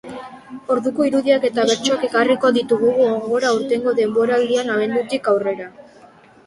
Orduko irudiak eta bertsoak ekarriko ditugu gogora aurtengo denboraldian, abendutik aurrera.